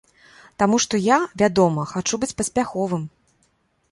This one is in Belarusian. Таму што я, вядома, хачу быць паспяховым.